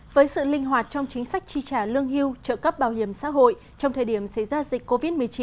với sự linh hoạt trong chính sách tri trả lương hưu trợ cấp bảo hiểm xã hội trong thời điểm xảy ra dịch covid một mươi chín